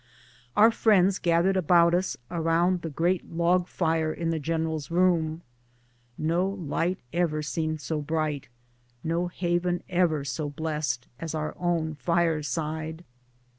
Our friends gathered about us around the great log fire in the general's room. 260 BOOTS AND SADDLES. !N"o liglit ever seemed so bright, no haven ever so blessed, as our own fireside.